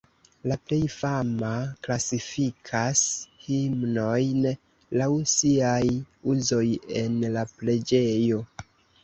La plej fama klasifikas himnojn laŭ siaj uzoj en la preĝejo.